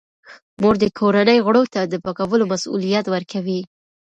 مور د کورنۍ غړو ته د پاکولو مسوولیت ورکوي.